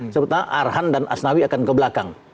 sebetulnya arhan dan asnawi akan ke belakang